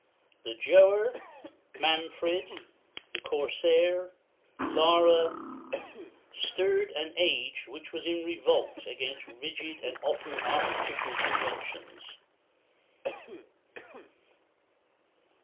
"The Giaour" (jow´ er), "Manfred," the "Corsair," "Lara" (lah´ rah), stirred an age which was in revolt against rigid and often artificial conventions.